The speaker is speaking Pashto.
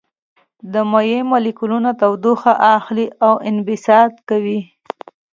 د مایع مالیکولونه تودوخه اخلي او انبساط کوي.